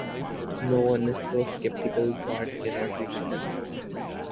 No one is so skeptical God cannot reach them.